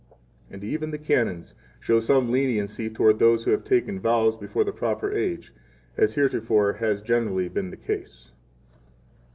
26 And even the Canons show some leniency toward those who have taken vows before the proper age, as heretofore has generally been the case.